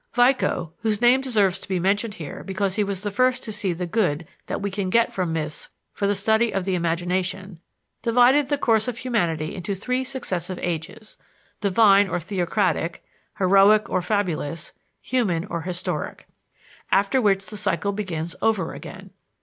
Vico whose name deserves to be mentioned here because he was the first to see the good that we can get from myths for the study of the imagination divided the course of humanity into three successive ages: divine or theocratic, heroic or fabulous, human or historic, after which the cycle begins over again.